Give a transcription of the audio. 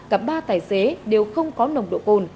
cả ba tài xế đều không có nồng độ cồn